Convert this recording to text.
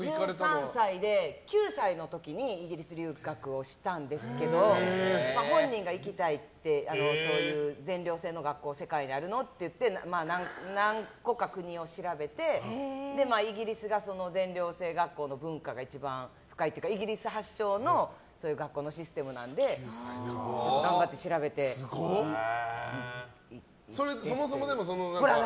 １３歳で９歳の時にイギリス留学をしたんですけど本人が行きたいって全寮制の学校が世界にあるのって言って、何個か国を調べて、イギリスが全寮制学校の文化が一番深いというかイギリス発祥の学校のシステムなので頑張って調べて行ってという。